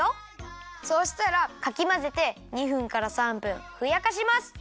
そうしたらかきまぜて２分から３分ふやかします。